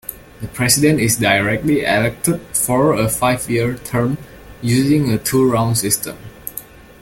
The President is directly elected for a five-year term using a two-round system.